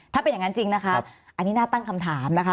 ถ้าเป็นอย่างนั้นจริงนะคะอันนี้น่าตั้งคำถามนะคะ